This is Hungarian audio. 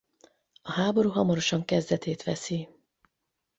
A háború hamarosan kezdetét veszi.